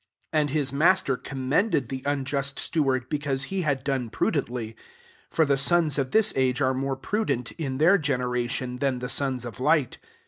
8 ''And hU master commend ed • the unjust steward, be cause he had d6ne prudently: for the sons of this age are more prudent in their genera tion than the sons of light.